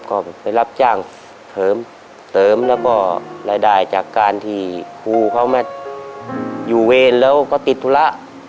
ก็ไปรับจ้างเสริมแล้วก็รายได้จากการที่ครูเขามาอยู่เวรแล้วก็ติดธุระ